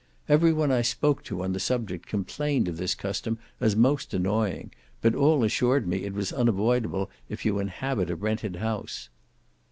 Every one I spoke to on the subject complained of this custom as most annoying, but all assured me it was unavoidable, if you inhabit a rented house.